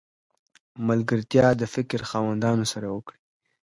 ملګرتیا د فکر خاوندانو سره وکړئ!